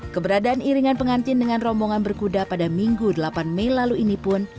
keberadaan iringan pengantin dengan rombongan berkuda pada minggu delapan mei lalu ini pun